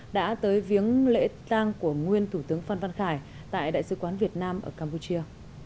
đã tới viếng lễ tang của nguyên thủ tướng phan văn khải tại đại sứ quán việt nam ở campuchia